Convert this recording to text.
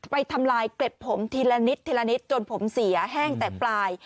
ไปทำลายเกร็บผมทีละนิดจนผมเสียแห้งแต่ปลาย